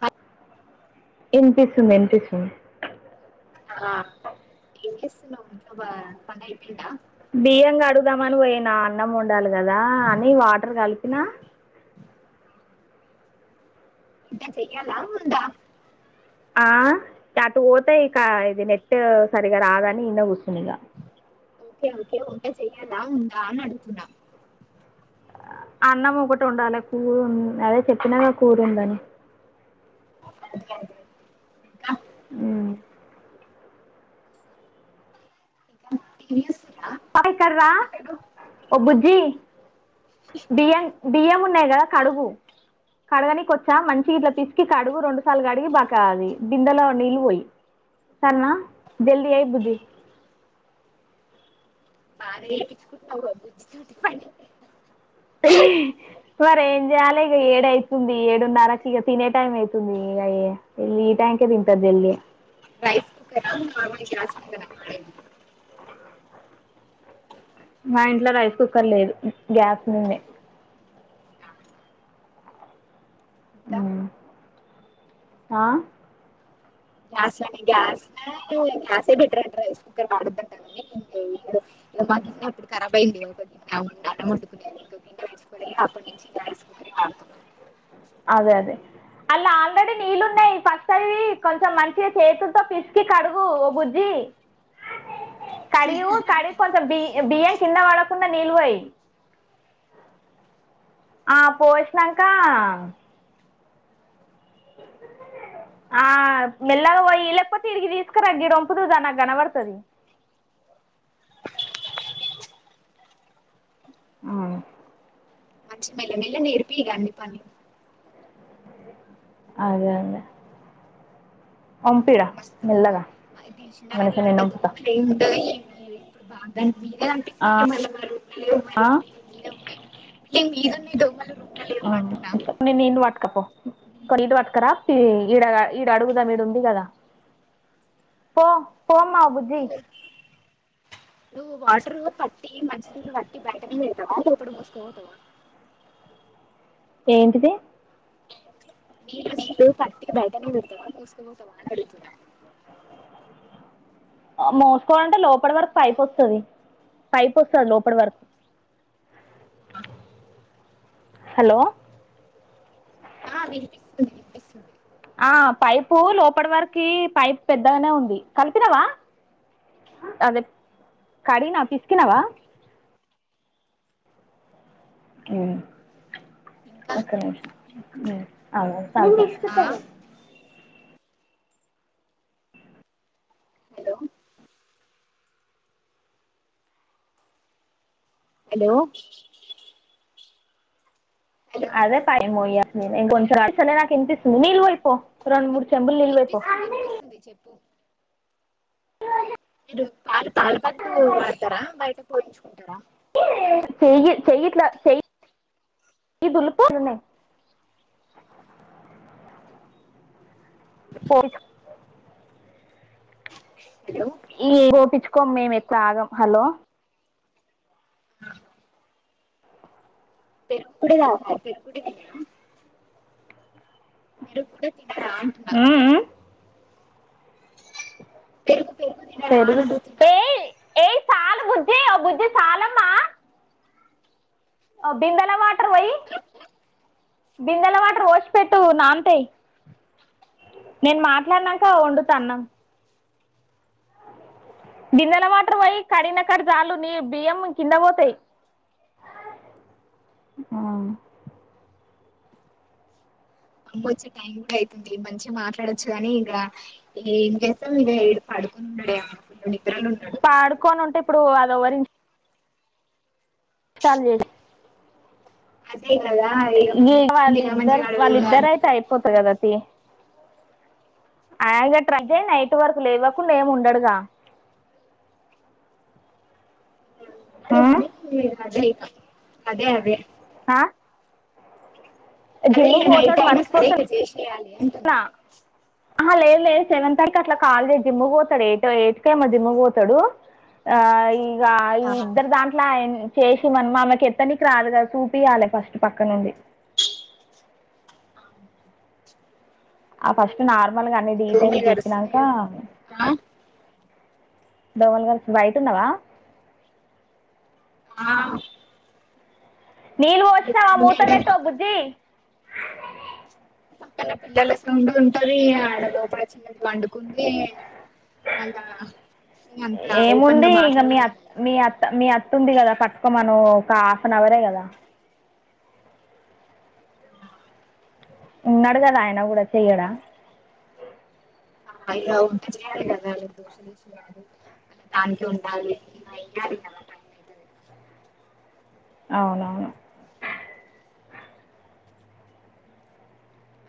అ వినిపిస్తుంది వినిపిస్తుంది ఆ బియ్యం కడుగుదామని పోయినా అన్నం వానడాలి కదా అని వాటర్ కలిపిన ఉంట చెయ్యాలా ఉందా ఆ అటు పోతాయి ఇక ఇది నెట్ సరిగా రాదని ఈడనే కూర్చునా ఇక ఓకే ఓకే వంట చెయ్యాలా ఉందా అని అడుగుతున్నా అన్నం ఒకటి వొండాలి కూర అదే చెప్పినాక కూర ఉందని అర్థంకాలే ఇంకా హ్ ఇంకా టీవీ వస్తుందా. పాప ఇక్కడరా ఓ బుజ్జి బియ్యం బియ్యము ఉన్నయి కదా కడుగు. కడగనీకి వచ్చా మంచిగా ఇట్లా పిసికి కడుగు రెండుసార్లు కడిగి బాగా అది బిందెలో నీళ్ళు పోయి. సరనా జల్ది చేయి బుజ్జీ. [inaudible] బాగనే చేపించుకుంటున్నవుగా బుజ్జీతోటి పని మరే ఏం చేయాలి ఇగ ఏడు అయితుంది. ఏడున్నరకి ఇగ తినే టైమ్ అయితుంది ఇగ ఇల ఈ టైంకే తింటా జల్ది. రైస్ కుక్కరా మాములుగా చేసే రైస్ [inaudible] మా ఇంట్లా రైస్ కుక్కర్ లేదు గ్యాస్ మీదనే. ఇంకా హ్ ఆ గ్యాస్ లనే గ్యాస్ గ్యాసే బెటర్ అంటా రైస్ కుక్కర్ వాడద్దు అంటా [inaudible] మాకి [inaudible] ఇప్పుడు కరాబ్ అయింది అన్నం వండుకునే కుక్కర్ తెచ్చుకోలే అప్పటి నుంచి రైస్ కుక్కరే వాడుతున్నాం. అదే అదే అళ్లా ఆల్రెడీ నీళ్ళు ఉన్నయి. ఫస్ట్ అవి కొంచెం మంచిగా చేతులతో పిసికి కడుగు ఓ బుజ్జి. చేయ్ [inaudible] కడియు కడిగి కొంచెం బి బియ్యం కింద వడ కుండా నీళ్ళుపోయి. ఆ పోషినంకా [inaudible] ఆ మెల్గగా వోయి లేెకపోతే ఈడికి తీసుకరా గిడ వొంపుదువురా నాకు గనబడుతది. అవును మర్చిపోయినా మెల్లగా నేర్పియండి పని. అదే అదే వంపిరా అంత మెల్లగా దోమలు మనిషి నేను వంపుతా ఏం ఉండవు కానీ బాగా మీద ఆ, కనిపించినయి ఇగా మళ్ళా మా రూంల లేవు ఆ, మరి. మీ మీద ఉన్నయి మీ మీద ఉన్నయి దోమలు. రూమ్ లో ఆ లేవు అంటున్నా కొన్ని నీళ్ళు వట్కపో, కొన్ని నీళ్ళు వట్కరా. ఈ ఈడ ఈడ అడుగుదాం ఈడ ఉంది కదా పో పో అమ్మా బుజ్జి [inaudible] నువ్వు వాటర్ పట్టి మంచి నీళ్లు పట్టి బయటనే పెడ్తవా, లోపట మోసుకపోతవ [inaudible] ఏంటిది? నీళ్ళు నీళ్ళు పట్టి బయటనే పెడతవా మోస్కపోతవా అని అడతున్నా. [inaudible] ఆ మోసుకోవాలంటే లోపటి వరకు హలో పైప్ వస్తది. పైప్ వస్తది లోపటి వరకు. హలో ఆ వినిపిస్తుంది వినిపిస్తుంది. ఆ పైపు లోపట వరకి పైప్ పెద్దగనే ఉంది. కలిపినవా అదే కడినా పిస్కినవా అ ఇంకా ఒక్క నిమిషం ఆగు ఆ హలో హలో హలో అదే పైకి మోయ్యాలే కొంచెం అయితే నాకు వినిపిస్తుంది నీళ్ళు పొయ్యి పొ రెండు మూడు చెంబుల నీళ్లు పొయ్యి పొ వినిపిస్తుంది వినిపిస్తుంది చెప్పు అ పాల పాకెట్టు వాడతారా బయట పోయించుకుంటారా చెయ్యి చెయ్యిట్ల ఇప్పుడు బర్రె పాలున్నాయి పొయించు హలో ఏవి పోపించుకోము మేము ఏవి తాగాం పెరుగు కూడా తీసుకోరా మీరు పెరుగు కూడా తినార అంటున్నా ఇ పెరుగు ఆ బిందల వాటర్ పొయ్యి బిందెల వాటర్ పొసి పెట్టు నాన్ తయ్ నేను మాట్లాడినంకా వండుత అన్నం బిందెల వాటర్ పోయి కడినకాడికి చాలు నీ బియ్యం కింద పోతయ్ ఆ అమ్మ వచ్చే టైం కూడా అవుతుంది మంచిగా మాట్లాడొచ్చు గాని ఇంగ ఏం చేస్తాము ఇడా పడుకునన్నా డు పండుకొని ఉంటే ఇప్పుడు అది ఎవరింట్లో సరి చెయ్ అదే కదా ఇక మా అమ్మ వచ్చింది ఇక వాళ్ళిద్దరు మంచిగా అడుగుదా వాళ్ళిద్దరయితే అయిపోతది గదా తియ్ అలాగైతే నైట్ వరకు లేవకుండా ఏమి ఉండడుగా అదే అదే అదేగా అదే అదే ఆ అదే ఈ నైటాయిన సరే ఇగా చేసెయ్యాలి అట్లా ఆహ లేదు లేదు సెవెన్ వరకు అట్లా కాలీగ జిమ్కి పోతాడు ఎయిట్ కేమో జిమ్కి పోతాడు ఆ ఇగా ఈ ఆ ఇద్దరు దాంట్ల చేసి మనము ఆమెకి ఎత్తనికి రాదు కదా చూపియాలి ఫస్ట్ పక్క నుండి అవు ఆ ఫస్ట్ నార్మల్గా అన్ని డీటెయిల్స్ దోమలు చెప్పినాక కరుస్తున్నాయి అమ్మ ఫుల్ దోస్తులతో కలిసి బయట ఉన్నావా ఆగు నీళ్ళు పోసిన మూత పెట్ ఓ పక్కన బుజ్జి పక్కన పిల్లల సౌండ్ ఉంటది ఆడ లోపల చిన్నది పండుకుంది మళ్ళా అంతా ఏముంది ఓపెన్గా ఇంక మీ మాట్లాడలేం అత్త కదా మీ అత్త మీ అత్త ఉంది కదా పట్టుకోమ్మను ఒక హాఫ్ అన్ అవరే కదా ఉన్నాడు కదా ఆయన కూడా చెయ్యడా అయన కూడా చేయాలి కదా దానికే ఉండాలి మోయ్యాలి కదా అవునవును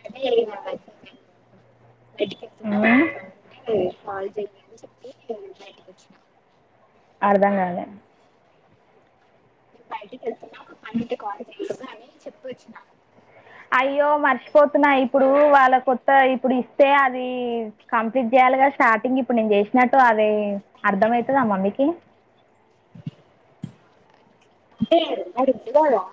అదే ఏ ఇగా ఎడ్యుకేటెడ్ ఉమ్, కదా మామయ్య కి చెప్పమని చెప్పి బయటకి వచ్చినా అర్ధం కాలే మేము బయటికి వెళ్తున్నాం పనుంటే కాల్ చేయ్యి అని చెప్పి వచ్చిన అయ్యో మర్చిపోతున్నా ఇప్పుడు వాళ్ళ కొత్త ఇప్పుడు ఇస్తే అది కంప్లీట్ చేసి స్టార్టింగ్ ఇప్పుడు నేను చేసినట్టు అది అర్థం ఐతదా అమ్మ మీకు ఏ అడి పోరా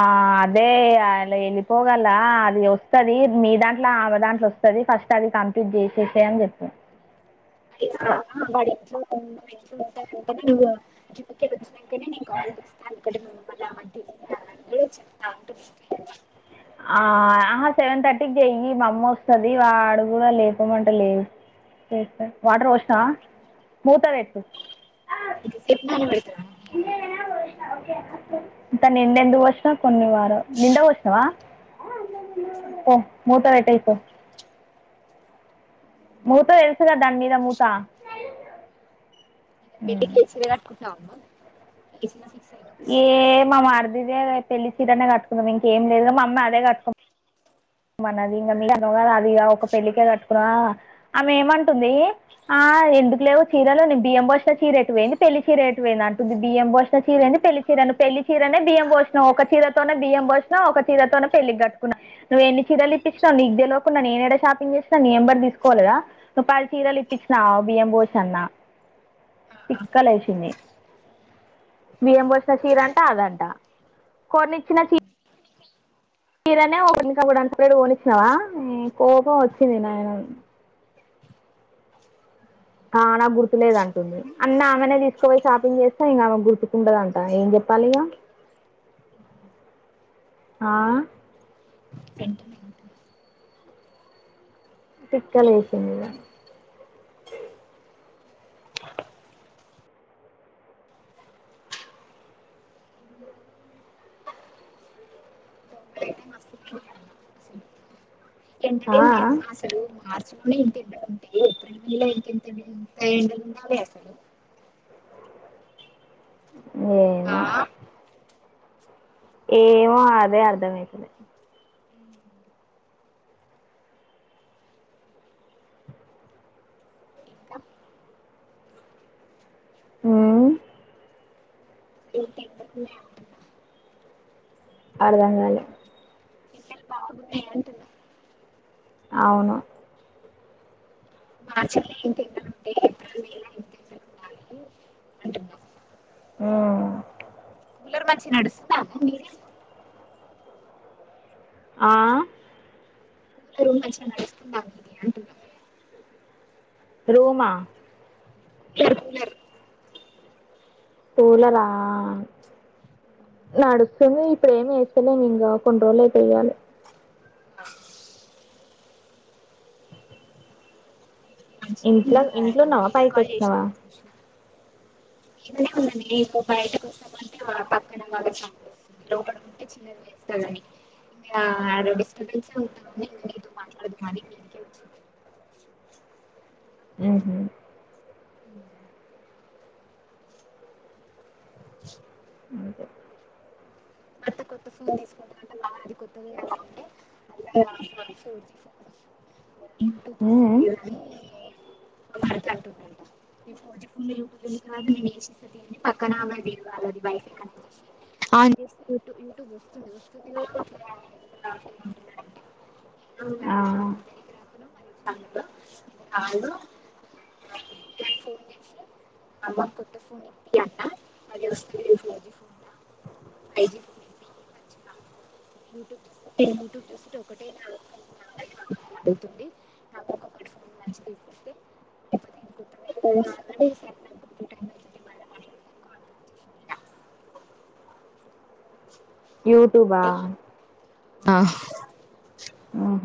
ఆ అదే అలా వెళ్ళిపోగలా అది వస్తది మీ దాంట్లో ఆమె దాంట్లో వ వస్తది ఫస్ట్ అది కంప్లీట్ చేసేసే అని చెప్పత [unintelligible] వెళ్తేనే నేను కాల్ చేస్తా ఏదుకంటే [unintelligible] చెప్తా అంటున్న ఆ ఆహా సెవెన్ థర్టీకి చెయ్యి మా అమ్మ వస్తుంది వాడు కూడా లేపోమంట లే వాటర్ పోషినా మూత పెట్టు ఎంతసేపు నాన పెడతావా ఇత నిన్నెందుకు పోసినావు కొన్ని వారం నిండ పోస్తావా పో మూత పెట్టే పో మూత వేసిన దాని మీద మూత పెళ్లి ఉమ్. చేసి నాట్కుంటా నవ్ ఏ మా అడిదిదే పెళ్ళలి చీర నే కట్టుకుందాం ఇంకేం లేదు మా అమ్మ అదే కట్టుకుం మనది ఇంకా మీ [unintelligible] అది ఇగ ఒక పెళ్ళికే కట్టుకున్నా అ ఆమె ఏమంటుంది ఆ ఎందుకు లేవు చీరలో నిను బియ్యం పాస్కొచ్చే చీరేటు పోయింది పెళ్లి చీరేటు పోయింది అంటుంది బియ్యం పాస్కొచ్చే చీరేయింది పెళ్లి చీర రన్ను పెళ్లి చీరనే బియ్యం పోషణం ఒక చీరతోనే బియ్యం పోషణం ఒక చీరతోనే పెళ్లి కట్టుకున్నా నువ్వు ఎన్ని చీరలు ఇప్పిచ్చినావు నీకు తెలవకుండా నేనే ఎడ షాపింగ్ చేసి నీ ఎంబర్ తీసుకోలేదా నువ్వు పది చీరలు ఇప్పిచ్చావ్ నా బియ్యం పోషన్న తిక్కలేషది బియ్యం పోసిన చీర అంట అదంట కొన్నిచ్చిన చీ మీరనే ఒకరికప్పుడు అంత పడు కోనిచ్చినావా నీ కోపం వచ్చింది నాయన కానా గుర్తులేదుంటుంది అన్న ఆమెనే తీసుకుపోయి షాపింగ్ చేస్తా ఇంకా ఆమె గుర్తుకుంటదంట ఏం చెప్ పాలి గా అ ఆ సెంటు తిక్క లేసింది ఇగ దోమలైతే ఆ ఎంటలండి ఆ అమ్మా అసలు మా [unintelligible] నే ఇంతఎడలుంటే ఏప్రిల్ మై లో ఇంకెంత ఎంత ఎండలు ఉండాల్వే అసలు ఏ ఆ మా ఏమో అదే అర్థమైతలే ఇంకా ఉమ్ [unintelligible] అర్ధంగాలే ఎండలు బాగున్నాయి అంటున్నా అవును మార్చ్ లే ఇంత ఎండలు ఉంటే ఏప్రిల్ మే లా ఇంక ఎంత ఎండలు ఉండాలి అంటున్నా ఉమ్ పలర్ మంచి నడుసంతా మీద ఆ అందరూ మంచిగా నడుస్తున్నారు అందుకే అంటున్న రూమా [unintelligible] కూలరా ఆ నడుస్తుంది ఇప్పుడు ఏమి చేస్త ఇంకా కొన్ని రోజులు అయితేయ్యాలి మంచిగా ఇంట్లో ఉందా ఇంట్లోన్నావా వీడియో పైకి కాల్ వచ్చినావా చేసినప్పుడు చూసిన మీదనే ఉన్నానే ఇగ బయటకు వస్తావ అంటే ఆ పక్కన వాళ్ళ చ లోపడ ఉంటే చిన్నది లేస్తానని ఆ ఇ డిస్టబెన్స్ ఉంట మాట్లాడదు గాని [unintelligible] హ్మ్ హ అంతే. మత్త కొత్త ఫోన్ తీసుకుంటాంట నా అది కొత్తది అంటే ఫో ఫ బ ఉమ్ ఒక భర్త అంటుంద నే ఫోజీ ఫున్ లో యూటూబ్ నేను వసేస్తేని పక్కన ఆమె గలవాల [inaudible] [unintelligible] ట్యూబ్ వస్తుంది వస్తు [unintelligible] ఎ మ ఆ అకు తెరిగ రాపు మరి కా [inaudible] స మ్ మా కొొ ఫోన్ అన్న మస్త ఫోజి ఫోన్ [unintelligible] ఐ యూట్యూబ్ చూ యూట్యూబ్ చూసుంటే ఒకటే అతుంది నాకు ఒక ప్లాఫామ్ [unintelligible] మంచిపో మ [inaudible] ప్లాంటేషన్ యూట్యూబా ఆ ఉహు